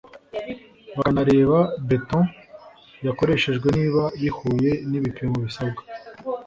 bakanareba béton yakoreshejwe niba bihuye n’ibipimo bisabwa